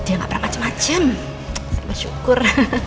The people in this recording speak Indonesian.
dia gak berapa cem acem bersyukur